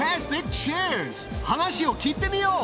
話を聞いてみよう。